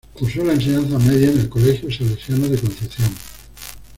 Cursó la enseñanza media en el Colegio Salesianos de Concepción.